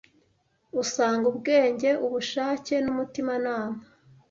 Usanga ubwenge, ubushake n’umutimanama